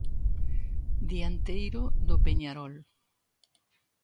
Dianteiro do Peñarol.